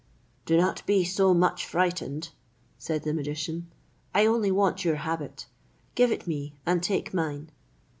"Do not be so much frightened," said the magician; "I only want your habit, give it me and take mine."